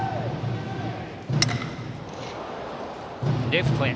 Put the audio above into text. レフトへ。